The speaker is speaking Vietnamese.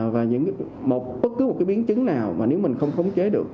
và bất cứ một cái biến chứng nào mà nếu mình không khống chế được